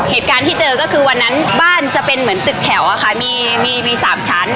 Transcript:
เหตุการณ์ที่เจอก็คือวันนั้นบ้านจะเป็นเหมือนตึกแถวอะค่ะมีมี๓ชั้น